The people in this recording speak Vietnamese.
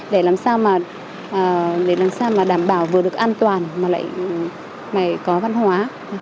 để làm sao mà để làm sao mà đảm bảo vừa được an toàn mà lại có văn hóa